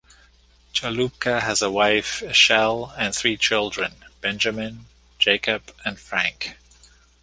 Chaloupka has a wife Eshell, and three children; Benjamin, Jacob, and Frank.